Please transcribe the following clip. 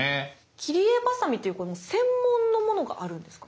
切り絵バサミっていう専門のものがあるんですか？